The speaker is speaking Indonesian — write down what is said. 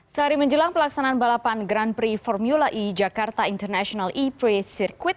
sehari menjelang pelaksanaan balapan grand prix formula e jakarta international e play circuit